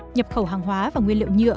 nhập khẩu hàng hóa và nguyên liệu nhựa